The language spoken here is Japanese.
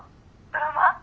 ドラマ？